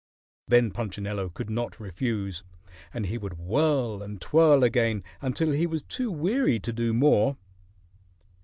Then Punchinello could not refuse, and he would whirl and twirl again until he was too weary to do more.